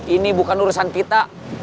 ini bukan urusan kita